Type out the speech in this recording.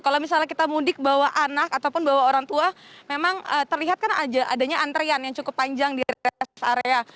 kalau misalnya kita mudik bawa anak ataupun bawa orang tua memang terlihat kan adanya antrian yang cukup panjang di rest area